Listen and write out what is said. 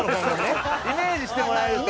イメージしてもらえると。